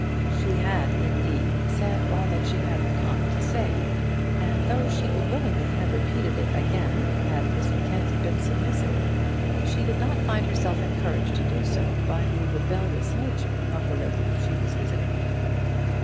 She had, indeed, said all that she had come to say, and though she would willingly have repeated it again had Miss Mackenzie been submissive, she did not find herself encouraged to do so by the rebellious nature of the lady she was visiting.